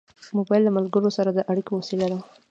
موبایل له ملګرو سره د اړیکې وسیله ده.